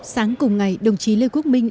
sáng cùng ngày đồng chí lê quốc minh